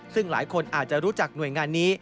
ซึ่งหลายคนอาจจะรู้จักหน่วยงานนี้